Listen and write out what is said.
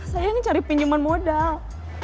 saya ngecari pinjaman modal